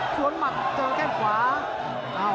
ชวนหมัดถึงแค่ขวา